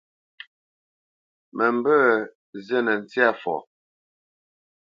Mə mbə̄ zînə ntsyâ fɔ.